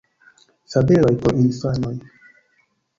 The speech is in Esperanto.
Fabeloj por infanoj.